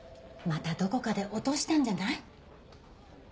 またどこかで落としたんじゃない？